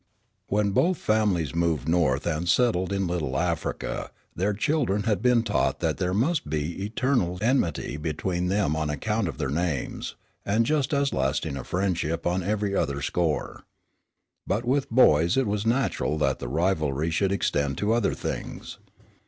When both families moved North and settled in Little Africa their children had been taught that there must be eternal enmity between them on account of their names, and just as lasting a friendship on every other score. But with boys it was natural that the rivalry should extend to other things.